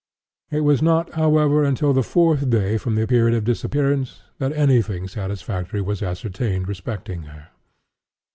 It was not, however until the fourth day from the period of disappearance that any thing satisfactory was ascertained respecting her.